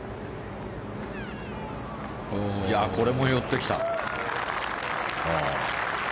これも寄ってきた。